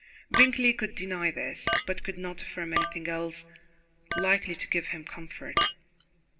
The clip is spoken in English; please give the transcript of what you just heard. Bingley could deny this, but could not affirm anything else likely to give him comfort.